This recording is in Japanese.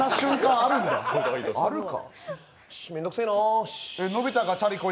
あるか？